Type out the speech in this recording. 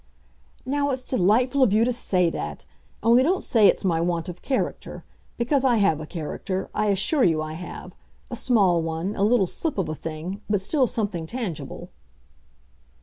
"Now it's delightful of you to say that! Only don't say it's my want of character. Because I have a character—I assure you I have; a small one, a little slip of a thing, but still something tangible."